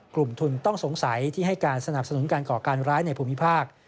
กลุ่มทุนต้องสงสัยที่ให้การสนับสนุนการก่อการร้ายในภูมิภาค